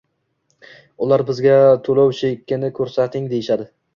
Ular bizga to‘lov chekini ko‘rsating deyishadi.